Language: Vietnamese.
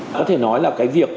có thể nói là cái việc